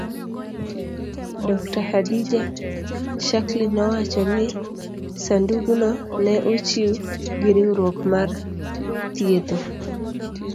Dr. Khadija Shikely nowacho ni sandugno ne ochiw gi riwruok mar thiedho